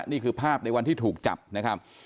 นี่คือภาพในวันที่ถูกจับนะครับ